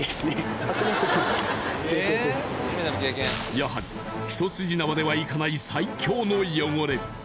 やはり一筋縄ではいかない最強の汚れ。